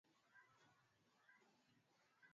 tuliona nguvu isiyo na kikomo ya mtawala